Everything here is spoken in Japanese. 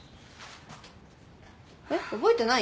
えっ覚えてない？